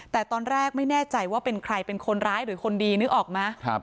แต่ตอนแรกไม่แน่ใจว่าเป็นใครเป็นคนร้ายหรือคนดีนึกออกไหม